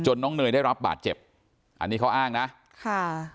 น้องเนยได้รับบาดเจ็บอันนี้เขาอ้างนะค่ะ